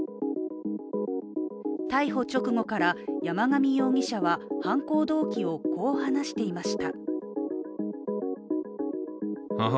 逮捕直後から、山上容疑者は犯行動機をこう話していました。